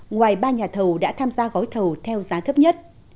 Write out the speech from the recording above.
ngoài ba nhà thầu đã tham gia gói thầu theo giá thấp nhất